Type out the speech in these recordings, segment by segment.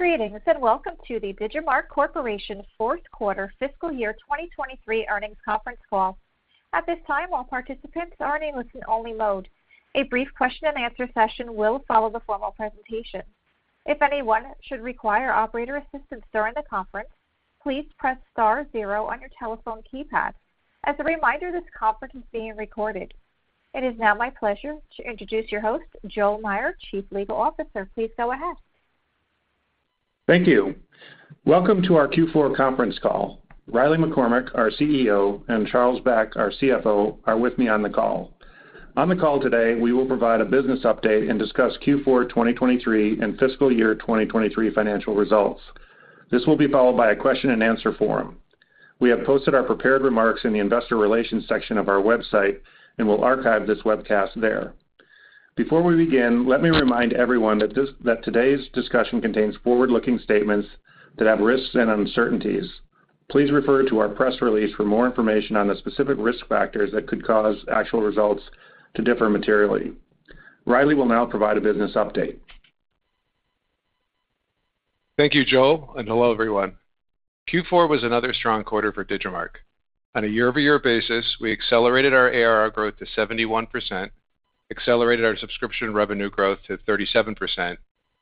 Greetings and welcome to the Digimarc Corporation Q4 FY 2023 Earnings Conference Call. At this time, all participants are in a listen-only mode. A brief question-and-answer session will follow the formal presentation. If anyone should require operator assistance during the conference, please press star zero on your telephone keypad. As a reminder, this conference is being recorded. It is now my pleasure to introduce your host, Joel Meyer, Chief Legal Officer. Please go ahead. Thank you. Welcome to our Q4 conference call. Riley McCormack, our CEO, and Charles Beck, our CFO, are with me on the call. On the call today, we will provide a business update and discuss Q4 2023 and FY 2023 financial results. This will be followed by a question-and-answer forum. We have posted our prepared remarks in the investor relations section of our website and will archive this webcast there. Before we begin, let me remind everyone that today's discussion contains forward-looking statements that have risks and uncertainties. Please refer to our press release for more information on the specific risk factors that could cause actual results to differ materially. Riley will now provide a business update. Thank you, Joel, and hello everyone. Q4 was another strong quarter for Digimarc. On a YoY basis, we accelerated our ARR growth to 71%, accelerated our subscription revenue growth to 37%,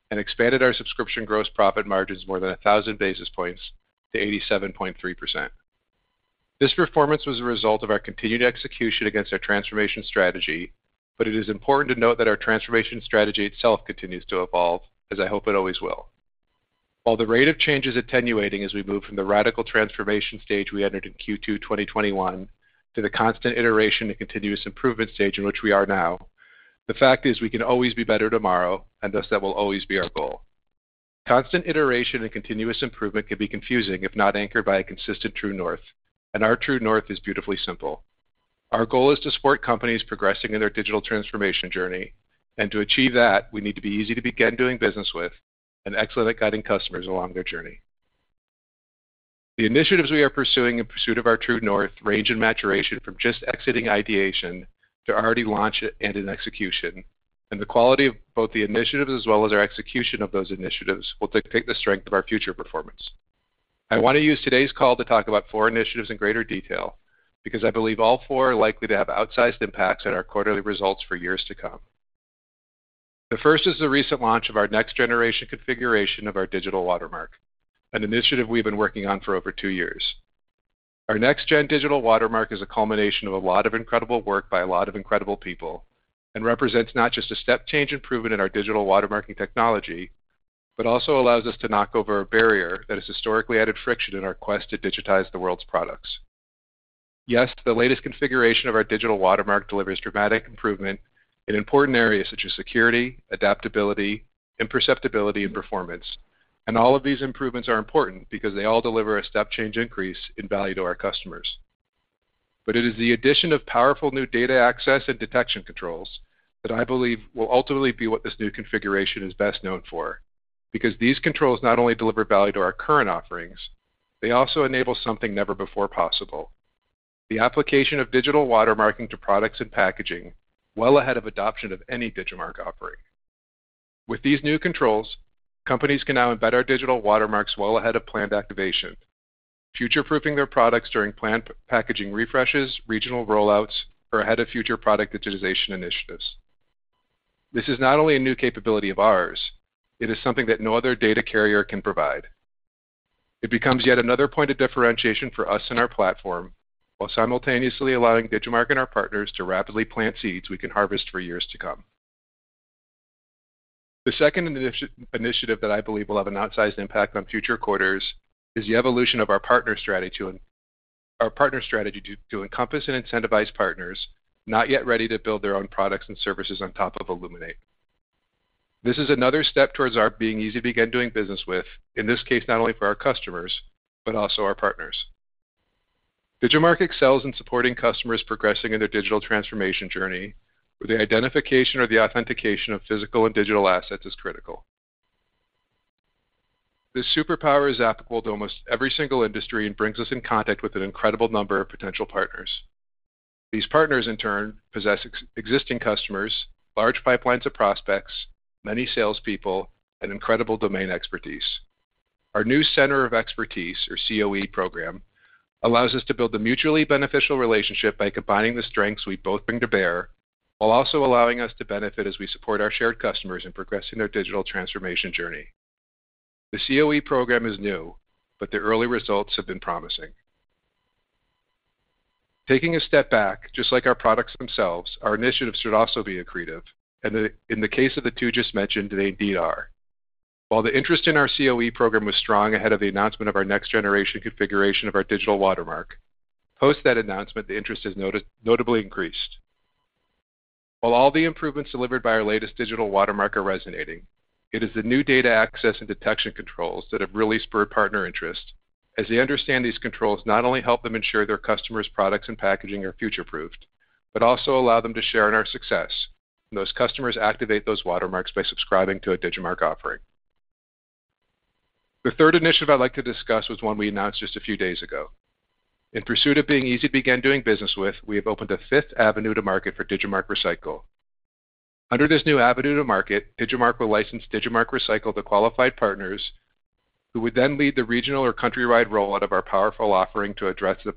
and expanded our subscription gross profit margins more than 1,000 basis points to 87.3%. This performance was a result of our continued execution against our transformation strategy, but it is important to note that our transformation strategy itself continues to evolve, as I hope it always will. While the rate of change is attenuating as we move from the radical transformation stage we entered in Q2 2021 to the constant iteration and continuous improvement stage in which we are now, the fact is we can always be better tomorrow, and thus that will always be our goal. Constant iteration and continuous improvement can be confusing if not anchored by a consistent true north, and our true north is beautifully simple. Our goal is to support companies progressing in their digital transformation journey, and to achieve that, we need to be easy to begin doing business with and excellent at guiding customers along their journey. The initiatives we are pursuing in pursuit of our true north range in maturation from just exiting ideation to already launched and in execution, and the quality of both the initiatives as well as our execution of those initiatives will dictate the strength of our future performance. I want to use today's call to talk about four initiatives in greater detail because I believe all four are likely to have outsized impacts on our quarterly results for years to come. The first is the recent launch of our next-generation configuration of digital watermark, an initiative we've been working on for over two years. Our digital watermark is a culmination of a lot of incredible work by a lot of incredible people and represents not just a step change improvement in digital watermarking technology, but also allows us to knock over a barrier that has historically added friction in our quest to digitize the world's products. Yes, the latest configuration of digital watermark delivers dramatic improvement in important areas such as security, adaptability, imperceptibility, and performance, and all of these improvements are important because they all deliver a step change increase in value to our customers. But it is the addition of powerful new data access and detection controls that I believe will ultimately be what this new configuration is best known for, because these controls not only deliver value to our current offerings, they also enable something never before possible: the application digital watermarking to products and packaging well ahead of adoption of any Digimarc offering. With these new controls, companies can now embed digital watermarks well ahead of planned activation, future-proofing their products during planned packaging refreshes, regional rollouts, or ahead of future product digitization initiatives. This is not only a new capability of ours. It is something that no other data carrier can provide. It becomes yet another point of differentiation for us and our platform while simultaneously allowing Digimarc and our partners to rapidly plant seeds we can harvest for years to come. The second initiative that I believe will have an outsized impact on future quarters is the evolution of our partner strategy to encompass and incentivize partners not yet ready to build their own products and services on top of Illuminate. This is another step towards our being easy to begin doing business with, in this case not only for our customers but also our partners. Digimarc excels in supporting customers progressing in their digital transformation journey where the identification or the authentication of physical and digital assets is critical. This superpower is applicable to almost every single industry and brings us in contact with an incredible number of potential partners. These partners, in turn, possess existing customers, large pipelines of prospects, many salespeople, and incredible domain expertise. Our new Center of Expertise, or CoE, program allows us to build a mutually beneficial relationship by combining the strengths we both bring to bear while also allowing us to benefit as we support our shared customers in progressing their digital transformation journey. The CoE program is new, but the early results have been promising. Taking a step back, just like our products themselves, our initiatives should also be accretive, and in the case of the two just mentioned, they indeed are. While the interest in our CoE program was strong ahead of the announcement of our next-generation configuration of digital watermark, post that announcement, the interest has notably increased. While all the improvements delivered by our digital watermark are resonating, it is the new data access and detection controls that have really spurred partner interest, as they understand these controls not only help them ensure their customers' products and packaging are future-proofed but also allow them to share in our success, and those customers activate those watermarks by subscribing to a Digimarc offering. The third initiative I'd like to discuss was one we announced just a few days ago. In pursuit of being easy to begin doing business with, we have opened a fifth avenue to market for Digimarc Recycle. Under this new avenue to market, Digimarc will license Digimarc Recycle to qualified partners who would then lead the regional or countrywide rollout of our powerful offering to address the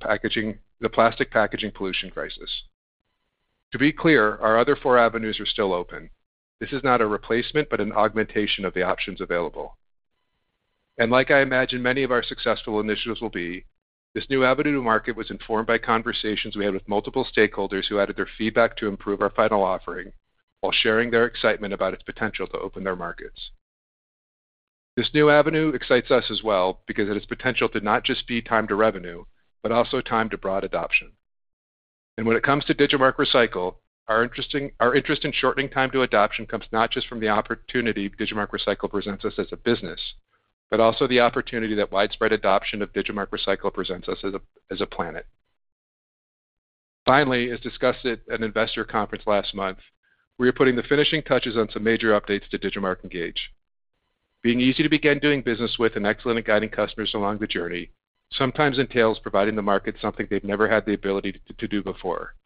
plastic packaging pollution crisis. To be clear, our other four avenues are still open. This is not a replacement but an augmentation of the options available. And like I imagine many of our successful initiatives will be, this new avenue to market was informed by conversations we had with multiple stakeholders who added their feedback to improve our final offering while sharing their excitement about its potential to open their markets. This new avenue excites us as well because its potential to not just be time to revenue but also time to broad adoption. And when it comes to Digimarc Recycle, our interest in shortening time to adoption comes not just from the opportunity Digimarc Recycle presents us as a business but also the opportunity that widespread adoption of Digimarc Recycle presents us as a planet. Finally, as discussed at an investor conference last month, we are putting the finishing touches on some major updates to Digimarc Engage. Being easy to begin doing business with and excellent at guiding customers along the journey sometimes entails providing the market something they've never had the ability to do before: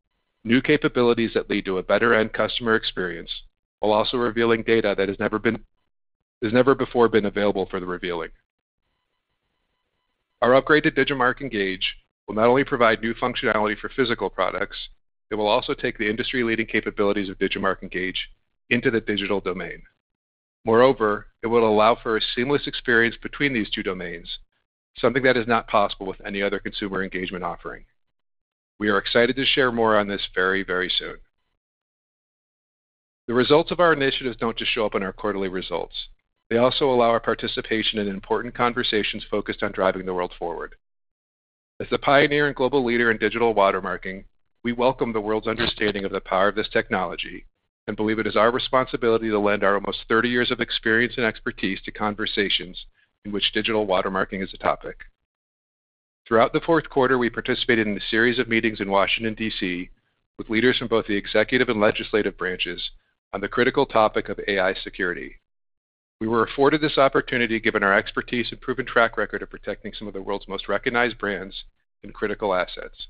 new capabilities that lead to a better-end customer experience while also revealing data that has never before been available for the revealing. Our upgrade to Digimarc Engage will not only provide new functionality for physical products, it will also take the industry-leading capabilities of Digimarc Engage into the digital domain. Moreover, it will allow for a seamless experience between these two domains, something that is not possible with any other consumer engagement offering. We are excited to share more on this very, very soon. The results of our initiatives don't just show up in our quarterly results. They also allow our participation in important conversations focused on driving the world forward. As the pioneer and global leader digital watermarking, we welcome the world's understanding of the power of this technology and believe it is our responsibility to lend our almost 30 years of experience and expertise to conversations in digital watermarking is a topic. Throughout the Q4, we participated in a series of meetings in Washington, D.C., with leaders from both the executive and legislative branches on the critical topic of AI security. We were afforded this opportunity given our expertise and proven track record of protecting some of the world's most recognized brands and critical assets.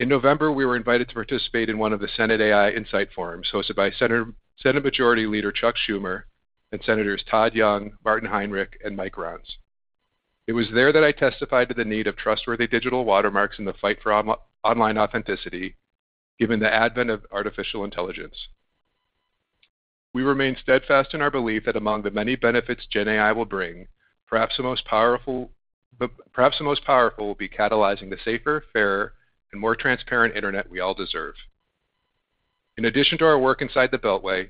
In November, we were invited to participate in one of the Senate AI Insight Forums hosted by Senate Majority Leader Chuck Schumer and Senators Todd Young, Martin Heinrich, and Mike Rounds. It was there that I testified to the need of digital watermarks in the fight for online authenticity given the advent of artificial intelligence. We remain steadfast in our belief that among the many benefits GenAI will bring, perhaps the most powerful will be catalyzing the safer, fairer, and more transparent internet we all deserve. In addition to our work inside the beltway,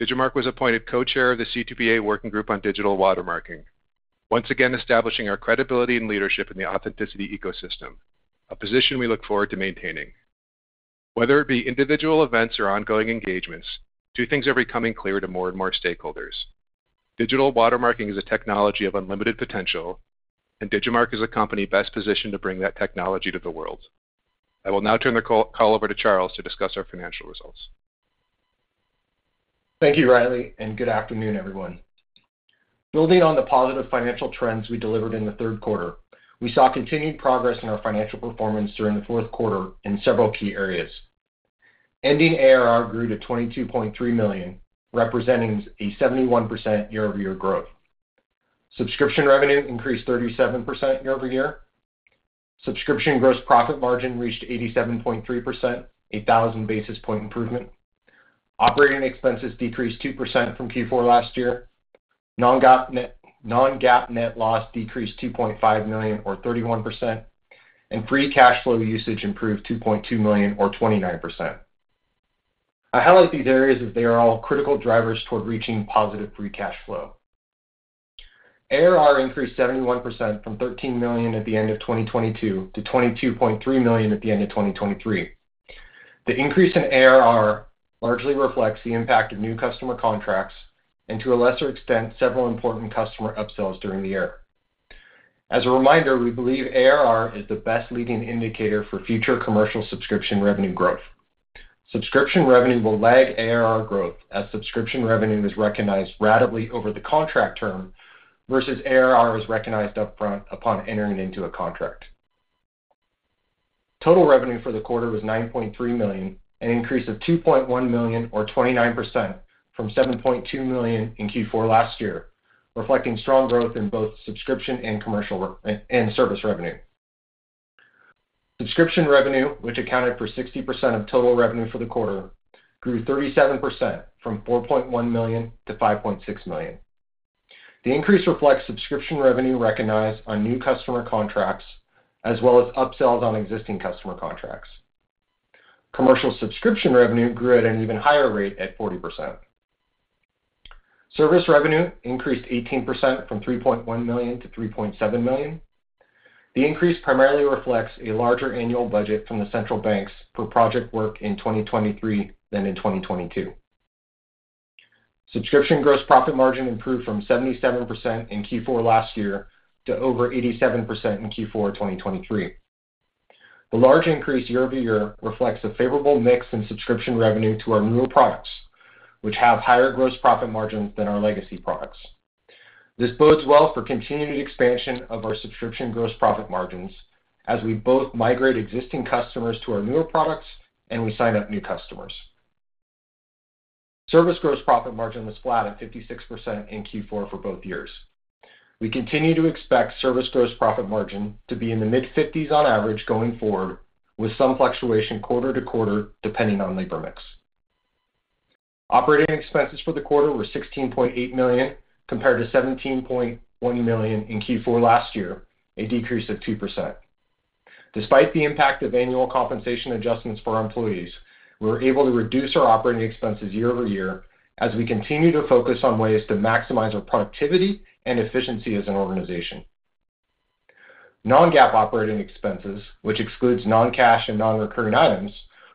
Digimarc was appointed co-chair of the C2PA Working Group digital watermarking, once again establishing our credibility and leadership in the authenticity ecosystem, a position we look forward to maintaining. Whether it be individual events or ongoing engagements, two things are becoming clear to more and more digital watermarking is a technology of unlimited potential, and Digimarc is a company best positioned to bring that technology to the world. I will now turn the call over to Charles to discuss our financial results. Thank you, Riley, and good afternoon, everyone. Building on the positive financial trends we delivered in the Q3, we saw continued progress in our financial performance during the Q4 in several key areas. Ending ARR grew to $22.3 million, representing a 71% YoY growth. Subscription revenue increased 37% YoY. Subscription gross profit margin reached 87.3%, a 1,000 basis point improvement. OpEx decreased 2% from Q4 last year. Non-GAAP net loss decreased $2.5 million or 31%, and free cash flow usage improved $2.2 million or 29%. I highlight these areas as they are all critical drivers toward reaching positive free cash flow. ARR increased 71% from $13 million at the end of 2022 to $22.3 million at the end of 2023. The increase in ARR largely reflects the impact of new customer contracts and, to a lesser extent, several important customer upsells during the year. As a reminder, we believe ARR is the best leading indicator for future commercial subscription revenue growth. Subscription revenue will lag ARR growth as subscription revenue is recognized ratably over the contract term versus ARR is recognized upfront upon entering into a contract. Total revenue for the quarter was $9.3 million, an increase of $2.1 million or 29% from $7.2 million in Q4 last year, reflecting strong growth in both subscription and service revenue. Subscription revenue, which accounted for 60% of total revenue for the quarter, grew 37% from $4.1 million to $5.6 million. The increase reflects subscription revenue recognized on new customer contracts as well as upsells on existing customer contracts. Commercial subscription revenue grew at an even higher rate at 40%. Service revenue increased 18% from $3.1 million-$3.7 million. The increase primarily reflects a larger annual budget from the central banks for project work in 2023 than in 2022. Subscription gross profit margin improved from 77% in Q4 last year to over 87% in Q4 2023. The large increase YoY reflects a favorable mix in subscription revenue to our newer products, which have higher gross profit margins than our legacy products. This bodes well for continued expansion of our subscription gross profit margins as we both migrate existing customers to our newer products and we sign up new customers. Service gross profit margin was flat at 56% in Q4 for both years. We continue to expect service gross profit margin to be in the mid-50s on average going forward, with some fluctuation quarter-to-quarter depending on labor mix. OpEx for the quarter were $16.8 million compared to $17.1 million in Q4 last year, a decrease of 2%. Despite the impact of annual compensation adjustments for our employees, we were able to reduce our OpEx YoY as we continue to focus on ways to maximize our productivity and efficiency as an organization. Non-GAAP OpEx, which excludes non-cash and non-recurring items,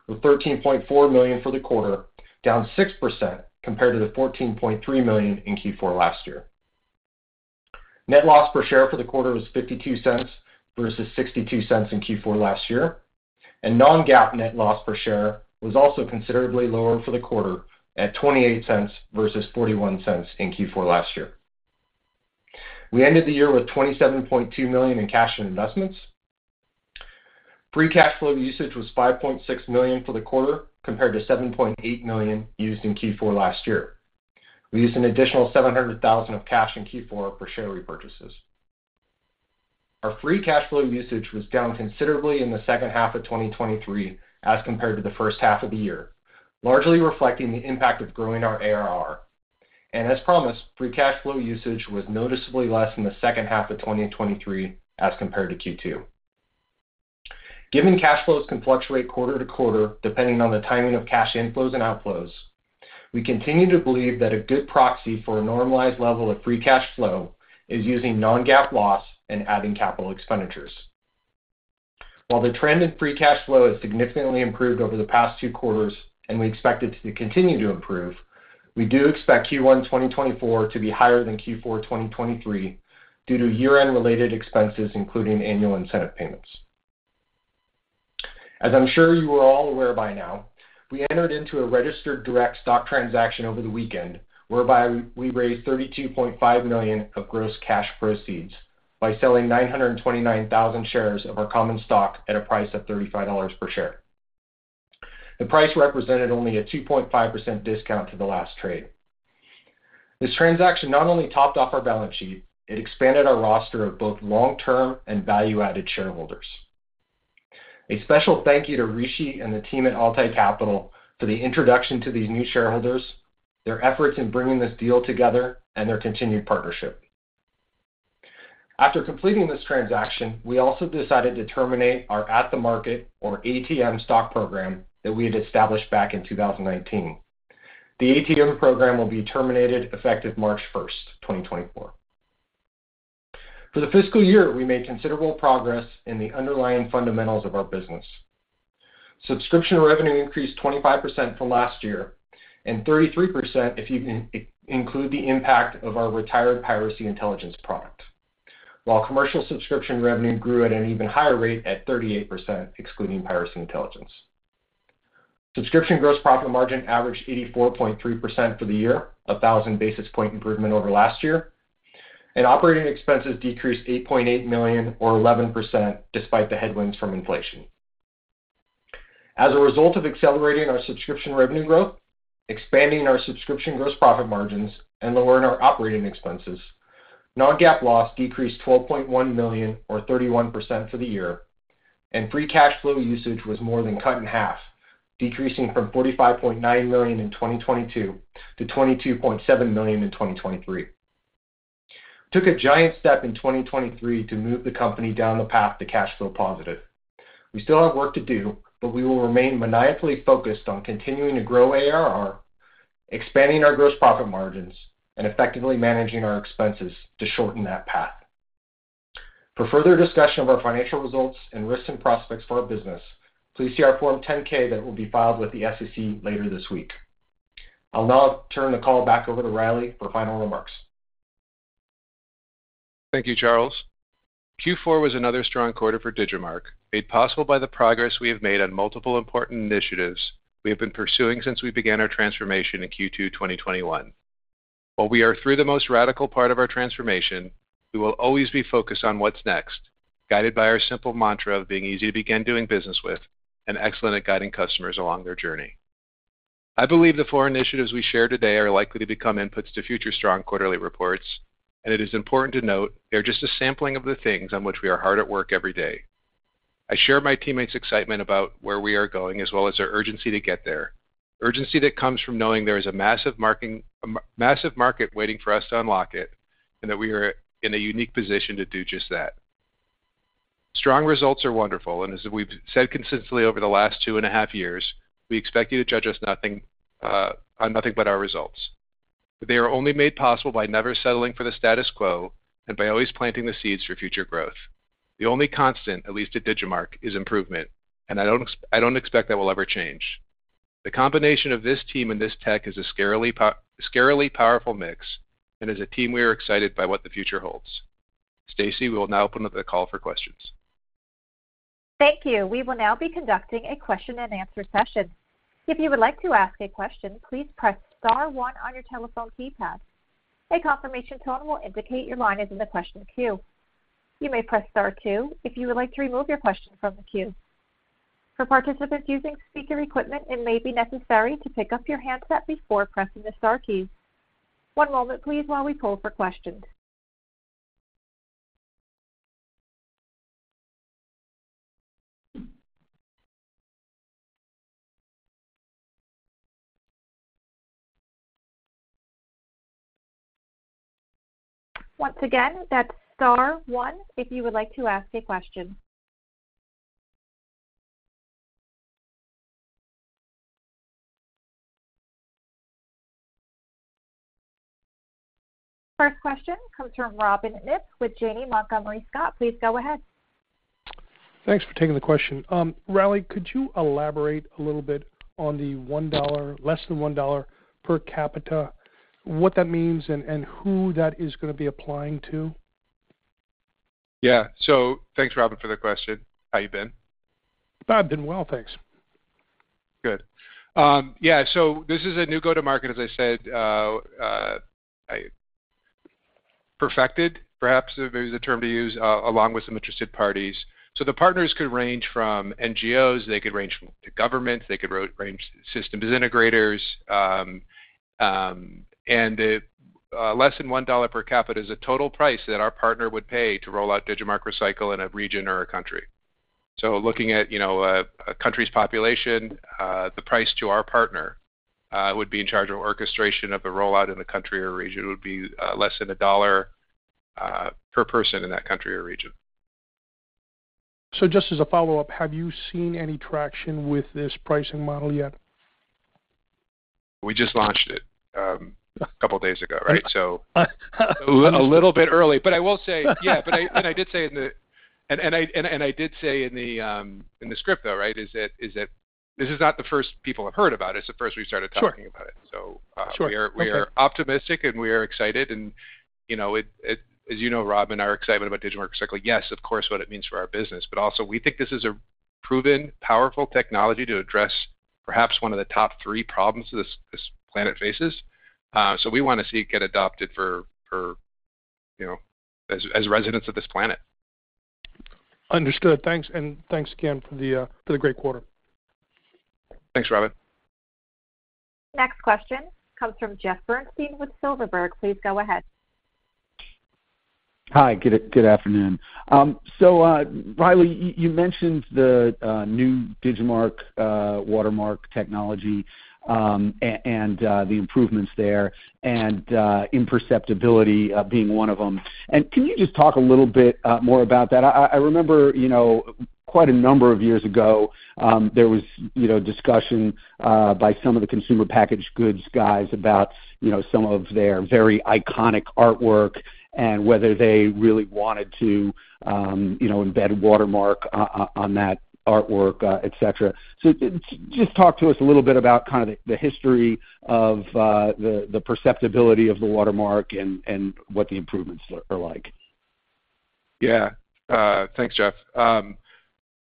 were $13.4 million for the quarter, down 6% compared to the $14.3 million in Q4 last year. Net loss per share for the quarter was $0.52 versus $0.62 in Q4 last year, and non-GAAP net loss per share was also considerably lower for the quarter at $0.28 versus $0.41 in Q4 last year. We ended the year with $27.2 million in cash and investments. Free cash flow usage was $5.6 million for the quarter compared to $7.8 million used in Q4 last year. We used an additional $700,000 of cash in Q4 for share repurchases. Our free cash flow usage was down considerably in the second half of 2023 as compared to the first half of the year, largely reflecting the impact of growing our ARR. And as promised, free cash flow usage was noticeably less in the second half of 2023 as compared to Q2. Given cash flows can fluctuate quarter to quarter depending on the timing of cash inflows and outflows, we continue to believe that a good proxy for a normalized level of free cash flow is using non-GAAP loss and adding capital expenditures. While the trend in free cash flow has significantly improved over the past two quarters and we expect it to continue to improve, we do expect Q1 2024 to be higher than Q4 2023 due to year-end-related expenses, including annual incentive payments. As I'm sure you are all aware by now, we entered into a registered direct stock transaction over the weekend whereby we raised $32.5 million of gross cash proceeds by selling 929,000 shares of our common stock at a price of $35 per share. The price represented only a 2.5% discount to the last trade. This transaction not only topped off our balance sheet, it expanded our roster of both long-term and value-added shareholders. A special thank you to Rishi and the team at Altai Capital for the introduction to these new shareholders, their efforts in bringing this deal together, and their continued partnership. After completing this transaction, we also decided to terminate our At-the-market, or ATM, stock program that we had established back in 2019. The ATM program will be terminated effective March 1st, 2024. For the FY, we made considerable progress in the underlying fundamentals of our business. Subscription revenue increased 25% from last year and 33% if you include the impact of our retired piracy intelligence product, while commercial subscription revenue grew at an even higher rate at 38% excluding piracy intelligence. Subscription gross profit margin averaged 84.3% for the year, a 1,000 basis point improvement over last year, and OpEx decreased $8.8 million or 11% despite the headwinds from inflation. As a result of accelerating our subscription revenue growth, expanding our subscription gross profit margins, and lowering our OpEx, non-GAAP loss decreased $12.1 million or 31% for the year, and free cash flow usage was more than cut in half, decreasing from $45.9 million in 2022 to $22.7 million in 2023. We took a giant step in 2023 to move the company down the path to cash flow positive. We still have work to do, but we will remain maniacally focused on continuing to grow ARR, expanding our gross profit margins, and effectively managing our expenses to shorten that path. For further discussion of our financial results and risks and prospects for our business, please see our Form 10-K that will be filed with the SEC later this week. I'll now turn the call back over to Riley for final remarks. Thank you, Charles. Q4 was another strong quarter for Digimarc, made possible by the progress we have made on multiple important initiatives we have been pursuing since we began our transformation in Q2 2021. While we are through the most radical part of our transformation, we will always be focused on what's next, guided by our simple mantra of being easy to begin doing business with and excellent at guiding customers along their journey. I believe the four initiatives we share today are likely to become inputs to future strong quarterly reports, and it is important to note they are just a sampling of the things on which we are hard at work every day. I share my teammates' excitement about where we are going as well as our urgency to get there, urgency that comes from knowing there is a massive market waiting for us to unlock it and that we are in a unique position to do just that. Strong results are wonderful, and as we've said consistently over the last 2.5 years, we expect you to judge us on nothing but our results. But they are only made possible by never settling for the status quo and by always planting the seeds for future growth. The only constant, at least at Digimarc, is improvement, and I don't expect that will ever change. The combination of this team and this tech is a scarily powerful mix, and as a team, we are excited by what the future holds. Stacy, we will now open up the call for questions. Thank you. We will now be conducting a question-and-answer session. If you would like to ask a question, please press star one on your telephone keypad. A confirmation tone will indicate your line is in the question queue. You may press star two if you would like to remove your question from the queue. For participants using speaker equipment, it may be necessary to pick up your handset before pressing the star keys. One moment, please, while we pull for questions. Once again, that's star one if you would like to ask a question. First question comes from Robin Knipp with Janney Montgomery Scott. Please go ahead. Thanks for taking the question. Riley, could you elaborate a little bit on the less than $1 per capita, what that means, and who that is going to be applying to? Yeah. So thanks, Robin, for the question. How you been? I've been well, thanks. Good. Yeah. So this is a new go-to-market, as I said, perfected, perhaps is the term to use, along with some interested parties. So the partners could range from NGOs. They could range to governments. They could range to systems integrators. And less than $1 per capita is a total price that our partner would pay to roll out Digimarc Recycle in a region or a country. So looking at a country's population, the price to our partner who would be in charge of orchestration of the rollout in the country or region would be less than $1 per person in that country or region. Just as a follow-up, have you seen any traction with this pricing model yet? We just launched it a couple of days ago, right? So a little bit early. But I will say yeah. But I did say in the script, though, right, is that this is not the first people have heard about it. It's the first we started talking about it. So we are optimistic, and we are excited. And as you know, Robin, our excitement about Digimarc Recycle, yes, of course, what it means for our business. But also, we think this is a proven, powerful technology to address perhaps one of the top three problems this planet faces. So we want to see it get adopted as residents of this planet. Understood. Thanks. And thanks again for the great quarter. Thanks, Robin. Next question comes from Jeff Bernstein with Silverberg Bernstein. Please go ahead. Hi. Good afternoon. So Riley, you mentioned the new Digimarc watermark technology and the improvements there and imperceptibility being one of them. And can you just talk a little bit more about that? I remember quite a number of years ago, there was discussion by some of the consumer packaged goods guys about some of their very iconic artwork and whether they really wanted to embed watermark on that artwork, etc. So just talk to us a little bit about kind of the history of the perceptibility of the watermark and what the improvements are like. Yeah. Thanks, Jeff.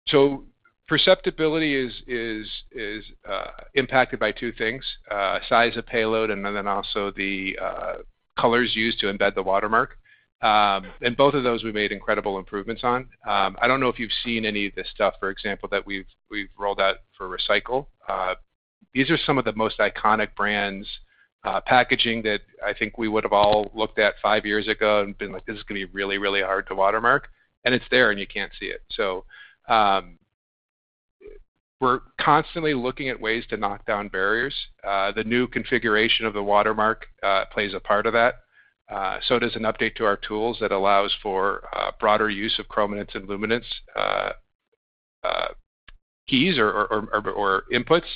So perceptibility is impacted by two things: size of payload and then also the colors used to embed the watermark. And both of those, we made incredible improvements on. I don't know if you've seen any of this stuff, for example, that we've rolled out for Recycle. These are some of the most iconic brands' packaging that I think we would have all looked at five years ago and been like, "This is going to be really, really hard to watermark." And it's there, and you can't see it. So we're constantly looking at ways to knock down barriers. The new configuration of the watermark plays a part of that. So does an update to our tools that allows for broader use of chrominance and luminance keys or inputs,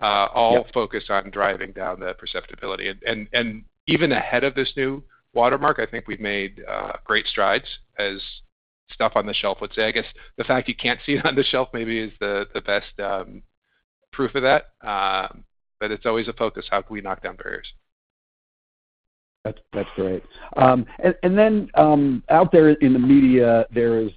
all focused on driving down the perceptibility. And even ahead of this new watermark, I think we've made great strides as stuff on the shelf would say. I guess the fact you can't see it on the shelf maybe is the best proof of that. But it's always a focus. How can we knock down barriers? That's great. Then out there in the media, there is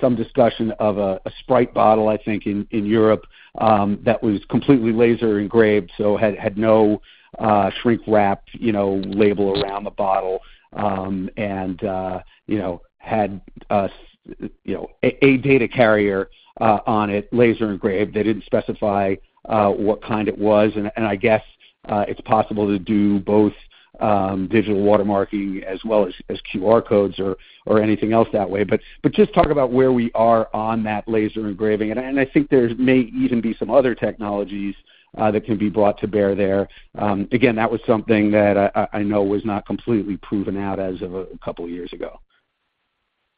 some discussion of a Sprite bottle, I think, in Europe that was completely laser engraved, so had no shrink-wrap label around the bottle and had a data carrier on it laser engraved. They didn't specify what kind it was. And I guess it's possible to do digital watermarking as well as QR codes or anything else that way. But just talk about where we are on that laser engraving. And I think there may even be some other technologies that can be brought to bear there. Again, that was something that I know was not completely proven out as of a couple of years ago.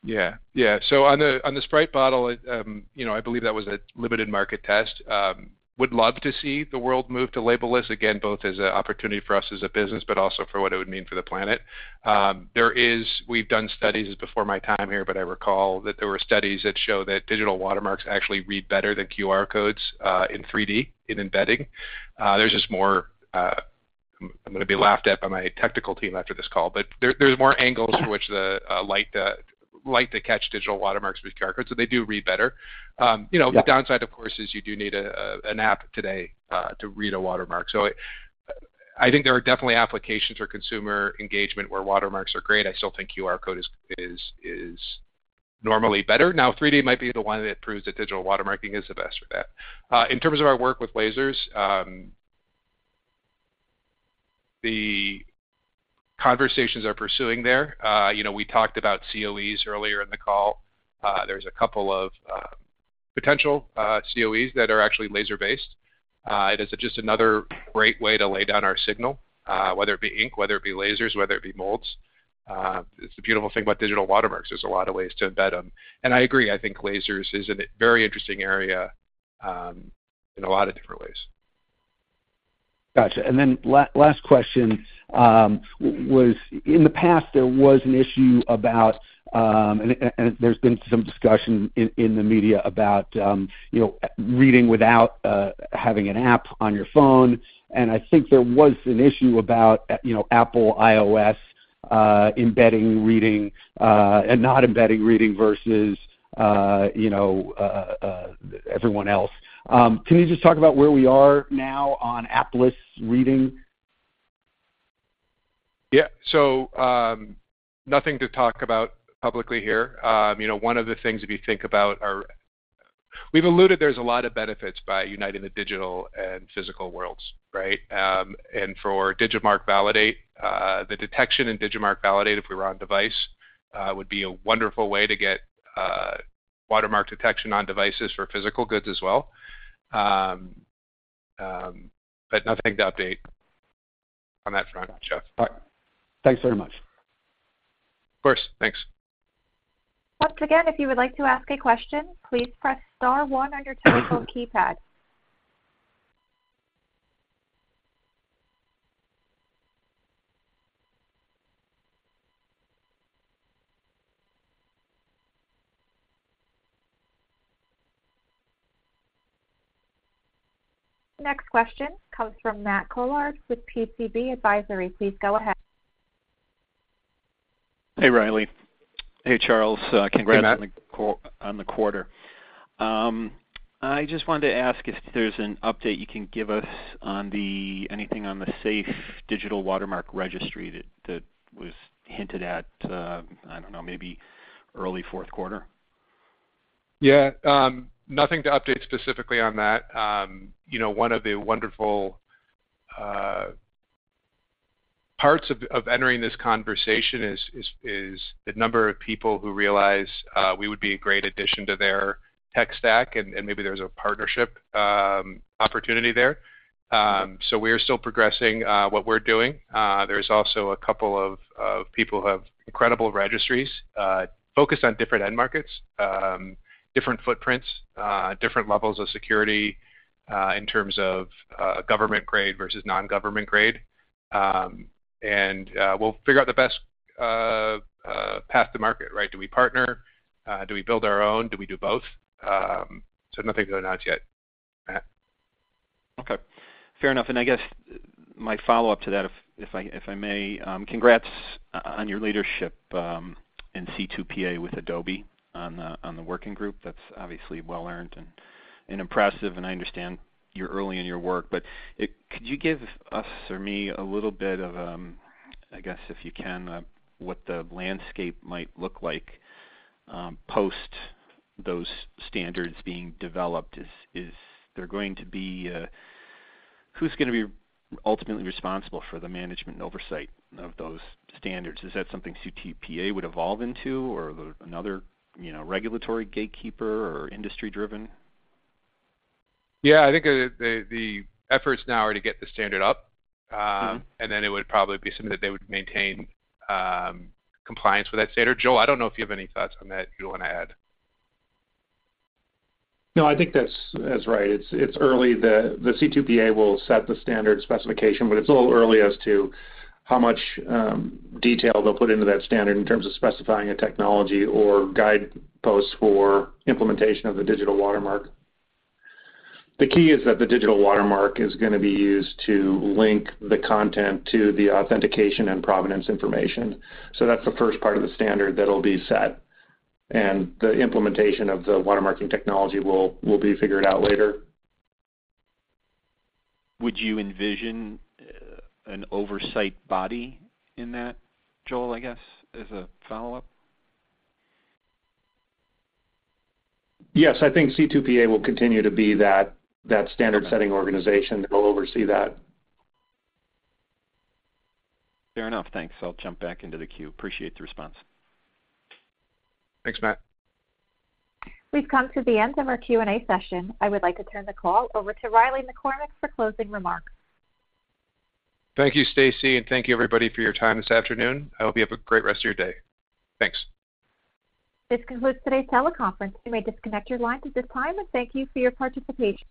Yeah. Yeah. So on the Sprite bottle, I believe that was a limited market test. Would love to see the world move to label this, again, both as an opportunity for us as a business but also for what it would mean for the planet. We've done studies before my time here, but I recall that there were studies that show digital watermarks actually read better than QR codes in 3D in embedding. There's just more. I'm going to be laughed at by my technical team after this call. But there's more angles for which the light to digital watermarks with QR codes. So they do read better. The downside, of course, is you do need an app today to read a watermark. So I think there are definitely applications for consumer engagement where watermarks are great. I still think QR code is normally better. Now, 3D might be the one that proves digital watermarking is the best for that. In terms of our work with lasers, the conversations are pursuing there. We talked about CoEs earlier in the call. There's a couple of potential CoEs that are actually laser-based. It is just another great way to lay down our signal, whether it be ink, whether it be lasers, whether it be molds. It's the beautiful thing digital watermarks. there's a lot of ways to embed them. And I agree. I think lasers is a very interesting area in a lot of different ways. Gotcha. And then last question was, in the past, there was an issue about and there's been some discussion in the media about reading without having an app on your phone. And I think there was an issue about Apple iOS embedding reading and not embedding reading versus everyone else. Can you just talk about where we are now on app-less reading? Yeah. So nothing to talk about publicly here. One of the things if you think about we've alluded there's a lot of benefits by uniting the digital and physical worlds, right? And for Digimarc Validate, the detection in Digimarc Validate, if we were on device, would be a wonderful way to get watermark detection on devices for physical goods as well. But nothing to update on that front, Jeff. All right. Thanks very much. Of course. Thanks. Once again, if you would like to ask a question, please press star one on your telephone keypad. Next question comes from Matt Collard with PCB Advisory. Please go ahead. Hey, Riley. Hey, Charles. Congrats on the quarter. I just wanted to ask if there's an update you can give us on anything on the digital watermark registry that was hinted at, I don't know, maybe early Q4? Yeah. Nothing to update specifically on that. One of the wonderful parts of entering this conversation is the number of people who realize we would be a great addition to their tech stack, and maybe there's a partnership opportunity there. So we are still progressing what we're doing. There's also a couple of people who have incredible registries focused on different end markets, different footprints, different levels of security in terms of government-grade versus non-government-grade. And we'll figure out the best path to market, right? Do we partner? Do we build our own? Do we do both? So nothing to announce yet, Matt. Okay. Fair enough. And I guess my follow-up to that, if I may, congrats on your leadership in C2PA with Adobe on the working group. That's obviously well-earned and impressive. And I understand you're early in your work. But could you give us or me a little bit of, I guess, if you can, what the landscape might look like post those standards being developed? Is there going to be who's going to be ultimately responsible for the management and oversight of those standards? Is that something C2PA would evolve into, or another regulatory gatekeeper or industry-driven? Yeah. I think the effort's now already to get the standard up. And then it would probably be something that they would maintain compliance with that standard. Joel, I don't know if you have any thoughts on that you want to add. No, I think that's right. It's early. The C2PA will set the standard specification, but it's a little early as to how much detail they'll put into that standard in terms of specifying a technology or guidepost for implementation of digital watermark. the key is that digital watermark is going to be used to link the content to the authentication and provenance information. So that's the first part of the standard that'll be set. And the implementation of the watermarking technology will be figured out later. Would you envision an oversight body in that, Joel, I guess, as a follow-up? Yes. I think C2PA will continue to be that standard-setting organization that will oversee that. Fair enough. Thanks. I'll jump back into the queue. Appreciate the response. Thanks, Matt. We've come to the end of our Q&A session. I would like to turn the call over to Riley McCormack for closing remarks. Thank you, Stacy. Thank you, everybody, for your time this afternoon. I hope you have a great rest of your day. Thanks. This concludes today's teleconference. You may disconnect your lines at this time. Thank you for your participation.